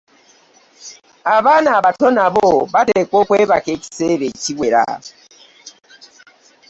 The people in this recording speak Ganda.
Abaana abato nabo bateekwa okwebaka ekiseera ekiwera.